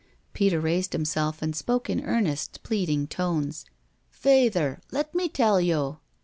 Peter raised himself and spoke in earnest, pleading tones :" Fayther, let me tell yo'.